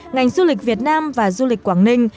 ngành du lịch việt nam và du lịch quảng ninh